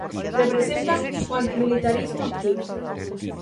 Representan o antimilitarismo activo.